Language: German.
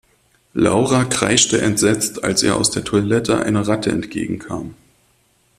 Laura kreischte entsetzt, als ihr aus der Toilette eine Ratte entgegenkam.